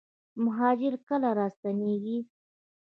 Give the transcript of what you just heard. مهاجر کله راستنیږي؟